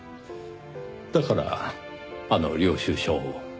だからあの領収書を。